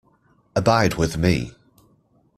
Abide with me.